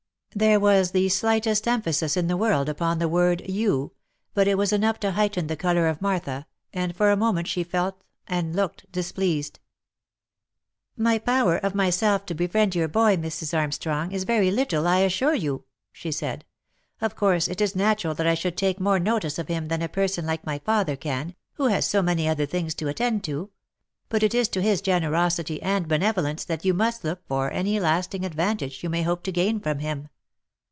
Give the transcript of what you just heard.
There was the slightest emphasis in the world upon the word " you" but it was enough to heighten the colour of Martha, and for a moment she both felt and looked displeased. " My power, of myself, to befriend your boy, Mrs. Armstrong, is very little, I assure you," she said. " Of course it is natural that I should take more notice^ of him than a person like my father can, who has so many other things to attend to ; but it is to his generosity and benevolence that you must look for any lasting advantage you may hope to gain for him."